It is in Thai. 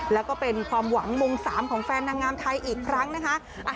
แล้วก็เป็นความหวังมุม๓ของแฟนนางงามไทยอีกครั้งนะคะ